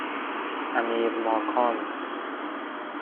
امیرماکان